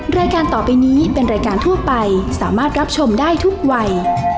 รายการต่อไปนี้เป็นรายการทั่วไปสามารถรับชมได้ทุกวัย